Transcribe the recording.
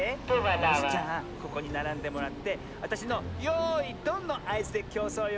よしじゃあここにならんでもらってわたしのよいドンのあいずできょうそうよ。